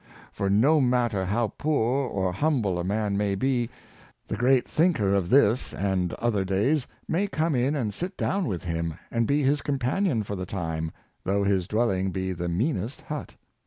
For no matter how poor or hum ble a man may be, the great thinker of this and other days may come in and sit down with him, and be his companion for the time, though his dwelling be the meanest hut.